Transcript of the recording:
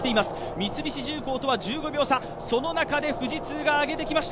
三菱重工とは１５秒差、その中で富士通が上げてきました。